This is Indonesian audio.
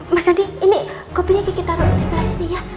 mas adi ini kopinya gigi taruh di sebelah sini ya